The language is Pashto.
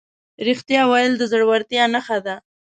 رښتیا ویل د زړهورتیا نښه ده.